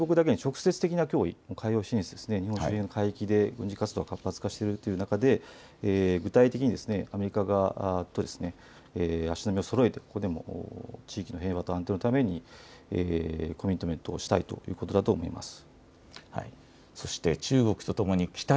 より隣国だけに直接的な脅威、海洋進出、海域で軍事活動が活発化しているという中で具体的にアメリカ側と足並みをそろえて地域の平和と安定のためにコミットメントをしたいということだと思います。